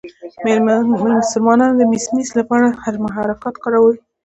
مسلمانانو د میمیسیس لپاره محاکات کارولی دی